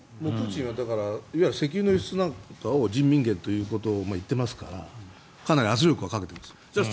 習近平は石油の輸出なんかを人民元ということを言っていますからかなり圧力はかけています。